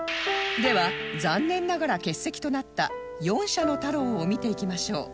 では残念ながら欠席となった４社の太郎を見ていきましょう